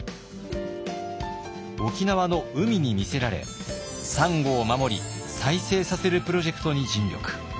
沖縄の海に魅せられサンゴを守り再生させるプロジェクトに尽力。